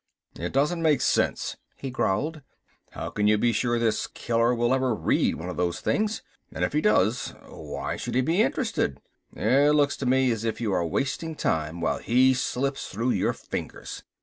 "It doesn't make sense," he growled. "How can you be sure this killer will ever read one of these things. And if he does why should he be interested? It looks to me as if you are wasting time while he slips through your fingers.